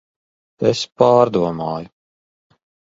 Es pārdomāju.